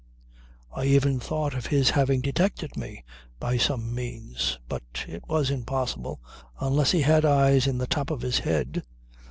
I even thought of his having detected me by some means. But it was impossible, unless he had eyes in the top of his head.